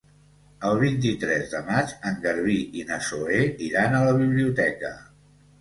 El vint-i-tres de maig en Garbí i na Zoè iran a la biblioteca.